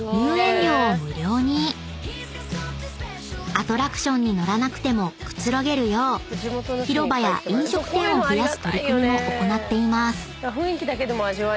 ［アトラクションに乗らなくてもくつろげるよう広場や飲食店を増やす取り組みも行っています］